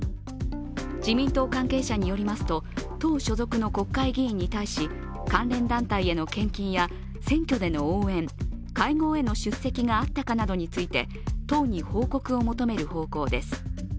自民党関係者によりますと党所属の国会議員に対し関連団体への献金や、選挙での応援会合への出席があったかなどについて党に報告を求める方向です。